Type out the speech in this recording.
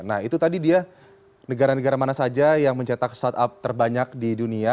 nah itu tadi dia negara negara mana saja yang mencetak startup terbanyak di dunia